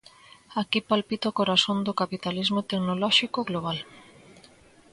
Aquí palpita o corazón do capitalismo tecnolóxico global.